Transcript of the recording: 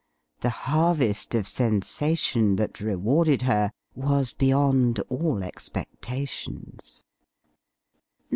The harvest of sensation that rewarded her was beyond all expectations.